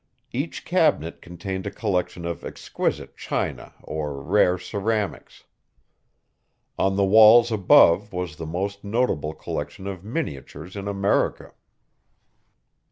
Each cabinet contained a collection of exquisite china or rare ceramics. On the walls above was the most notable collection of miniatures in America.